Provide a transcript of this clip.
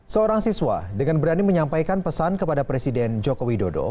seorang siswa dengan berani menyampaikan pesan kepada presiden joko widodo